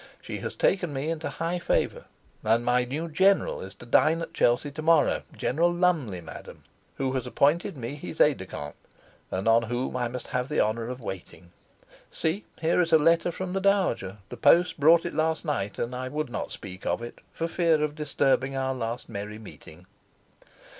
She has taken me into high favor; and my new General is to dine at Chelsey to morrow General Lumley, madam who has appointed me his aide de camp, and on whom I must have the honor of waiting. See, here is a letter from the Dowager; the post brought it last night; and I would not speak of it, for fear of disturbing our last merry meeting."